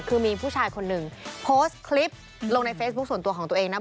คือมีผู้ชายคนหนึ่งโพสต์คลิปลงในเฟซบุ๊คส่วนตัวของตัวเองนะ